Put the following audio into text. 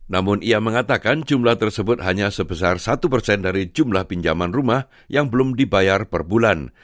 namun ia mengatakan jumlah tersebut hanya sebesar satu persen dari jumlah pinjaman rumah yang belum dibayar per bulan